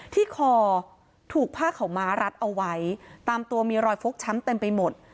ที่คอถูกผ้าขาวม้ารัดเอาไว้ตามตัวมีรอยฟกช้ำเต็มไปหมด